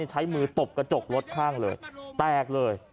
ใช้มือตบกระจกรถข้างเลยแตกเลย